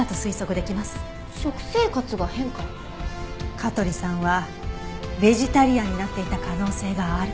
香取さんはベジタリアンになっていた可能性がある。